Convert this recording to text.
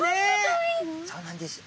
そうなんです。